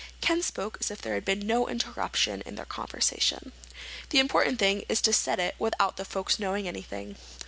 Ken spoke as if there had been no interruption in their conversation. "The important thing is to set it without the folks knowing anything."